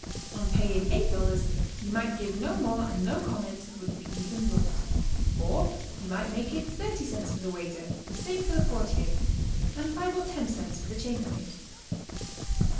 On paying $8 you might give no more and no comment would be even looked; or you might make it thirty cents for the waiter, the same for the portier, and five or ten cents for the chambermaid.